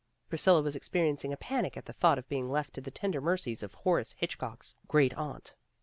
Priscilla was experiencing a panic at the thought of being left to the tender mercies of Horace Hitchcock's great aunt.